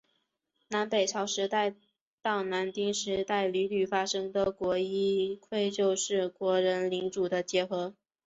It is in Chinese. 南北朝时代到室町时代屡屡发生的国一揆就是国人领主的结合。